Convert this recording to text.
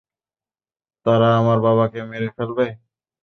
তারা আমার বাবাকে মেরে ফেলবে?